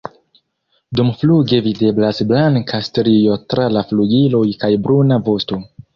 Dumfluge videblas blanka strio tra la flugiloj kaj bruna vosto.